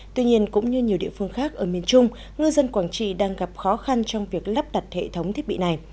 tuy nhiên cũng như nhiều địa phương khác ở miền trung ngư dân quảng trị đang gặp khó khăn trong việc lắp đặt hệ thống thiết bị này